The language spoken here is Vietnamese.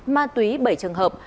ma túy bảy trường hợp